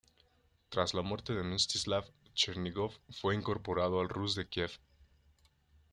Tras la muerte de Mstislav, Chernígov fue incorporado al Rus de Kiev.